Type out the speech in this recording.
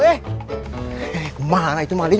eh kemana itu maling